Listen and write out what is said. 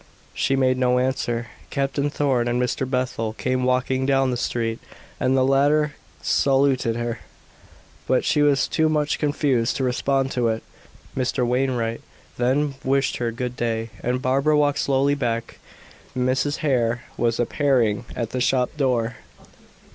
She made no answer. Captain Thorn and Mr. Bethel came walking down the street, and the latter saluted her, but she was too much confused to respond to it. Mr. Wainwright then wished her good day, and Barbara walked slowly back. Mrs. Hare was appearing at the shop door.